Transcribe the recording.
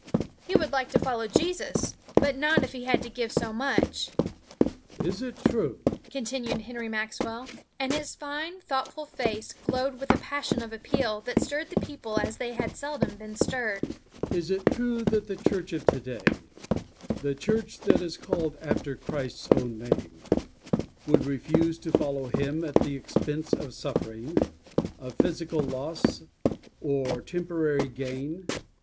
He would like to follow Jesus, but not if he had to give so much. "Is it true," continued Henry Maxwell, and his fine, thoughtful face glowed with a passion of appeal that stirred the people as they had seldom been stirred, "is it true that the church of today, the church that is called after Christ's own name, would refuse to follow Him at the expense of suffering, of physical loss, of temporary gain?